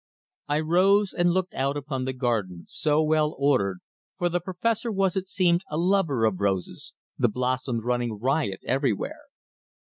I rose and looked out upon the garden, so well ordered, for the Professor was, it seemed, a lover of roses, the blossoms running riot everywhere.